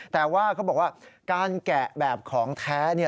แต่ว่าเขาบอกว่าการแกะแบบของแท้